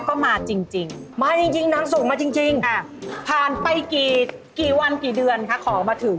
ผู้หญิงไทยนี่แหละ